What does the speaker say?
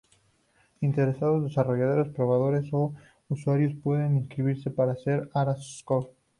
Interesados desarrolladores, probadores, o los usuarios pueden inscribirse para ser Ara Scouts.